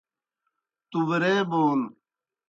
تُبرے بون